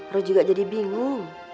lo juga jadi bingung